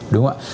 đúng không ạ